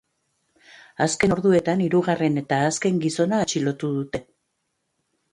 Azken orduetan hirugarren eta azken gizona atxilotu dute.